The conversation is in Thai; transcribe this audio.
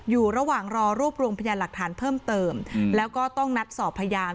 อยู่ระหว่างรอรวบรวมพยานหลักฐานเพิ่มเติมแล้วก็ต้องนัดสอบพยาน